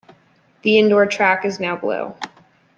The indoor track is now blue.